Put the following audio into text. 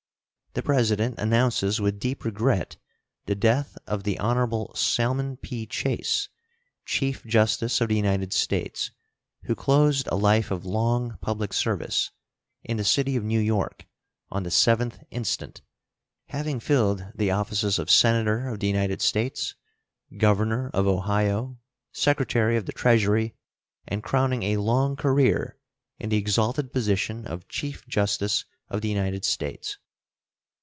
The President announces with deep regret the death of the Hon. Salmon P. Chase, Chief Justice of the United States, who closed a life of long public service, in the city of New York, on the 7th instant, having filled the offices of Senator of the United States, governor of Ohio, Secretary of the Treasury, and crowning a long career in the exalted position of Chief Justice of the United States.